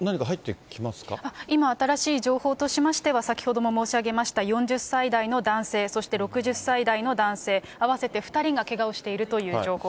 今、新しい情報としましては、先ほども申し上げました４０歳代の男性、そして６０歳代の男性、合わせて２人がけがをしているという情報。